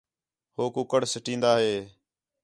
ہو کُکڑ سٹین٘دا ہے